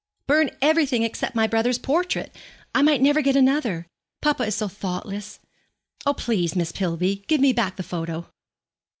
'Burn everything except my brother's portrait. I might never get another. Papa is so thoughtless. Oh, please, Miss Pillby, give me back the photo.'